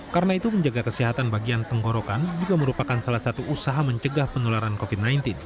karena itu menjaga kesehatan bagian tenggorokan juga merupakan salah satu usaha mencegah penularan covid sembilan belas